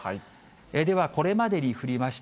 ではこれまでに降りました